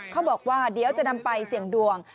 เขาบอกว่าเดี๋ยวจะนำไปเสี่ยงดวง